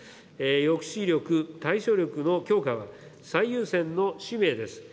抑止力、対処力の強化は最優先の使命です。